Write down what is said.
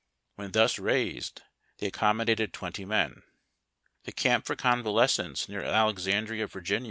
When thus raised they accom modated twenty men. The camp for convalescents near Alexandria, Va.